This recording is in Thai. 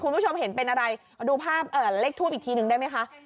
คุณผู้ชมเห็นเป็นอะไรดูภาพเลขทูปอีกทีนึงได้ไหมคะ